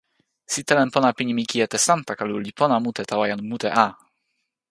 sitelen pona pi nimi "kijetesantakalu" li pona mute tawa jan mute a!